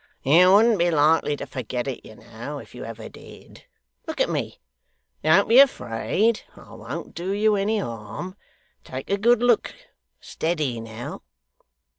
You wouldn't be likely to forget it, you know, if you ever did. Look at me. Don't be afraid; I won't do you any harm. Take a good look steady now.